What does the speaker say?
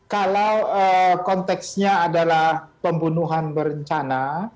kalau konteksnya adalah pembunuhan berencana